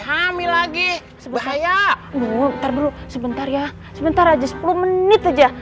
hamil lagi bahaya muter dulu sebentar ya sebentar aja sepuluh menit aja